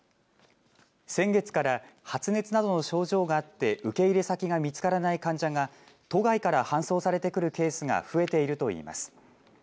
先月から発熱などの症状があって受け入れ先が見つからない患者が都外から搬送されてくるケースが増えているといいます。